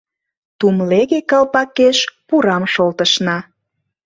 Тумлеге калпакеш пурам шолтышна